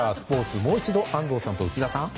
もう一度、安藤さんと内田さん。